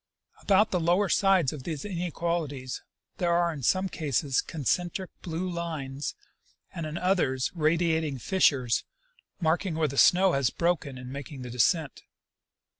About the lower sides of these inequalities there are in some cases concentric blue lines and in others radiating fissures, marking where the snow has broken in making the descent.